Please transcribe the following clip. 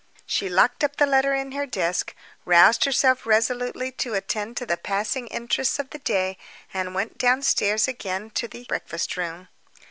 She locked up the letter in her desk; roused herself resolutely to attend to the passing interests of the day; and went downstairs again to the breakfast room.